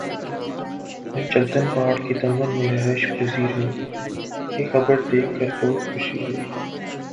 میں چلتن پہاڑ کے دامن میں رہائش پزیر ھوں یہ خبر دیکھ کر بہت خوشی ہوئ